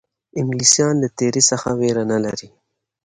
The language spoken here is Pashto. انګلیسیان له تېري څخه وېره نه لري.